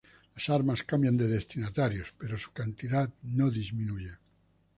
Las armas cambian de destinatarios, pero su cantidad no disminuye.